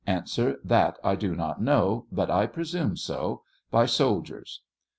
That I do notknow, but I presume so ; by soldiers, Q.